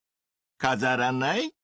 かざらない？